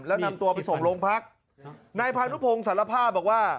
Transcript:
แล้วนำตัวไปส่งโรงพักนายพานุพงศ์สารภาพบอกว่า